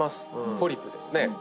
ポリプですね。